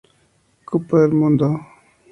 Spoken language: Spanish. Copa del mundo, Cto.